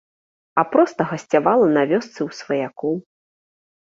А проста гасцявала на вёсцы ў сваякоў.